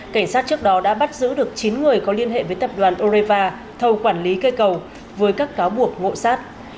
cảnh sát trước đó đã bắt giữ được chín người có liên hệ với tập đoàn oreva thầu quản lý cây cầu với các cáo buộc ngộ sát